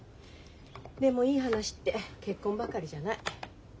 でもいい話って結婚ばかりじゃない。